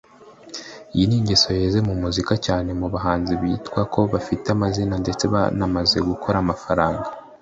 Iyi ni ingeso yeze muri muzika cyane mu bahanzi bitwa ko bafite amazina ndetse banamaze gukorera amafaranga